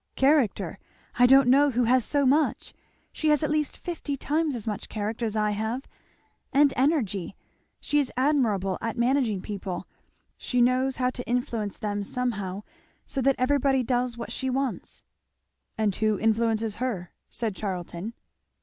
"Character! I don't know who has so much. She has at least fifty times as much character as I have. And energy. She is admirable at managing people she knows how to influence them somehow so that everybody does what she wants." "And who influences her?" said Charlton.